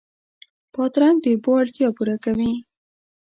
بادرنګ د اوبو اړتیا پوره کوي.